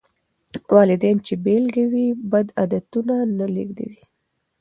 والدين چې بېلګه وي، بد عادتونه نه لېږدېږي.